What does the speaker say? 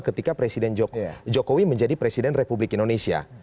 ketika presiden jokowi menjadi presiden republik indonesia